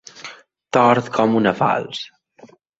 Tort com una falç.